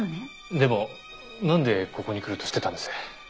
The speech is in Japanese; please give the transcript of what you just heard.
でもなんでここに来ると知ってたんです？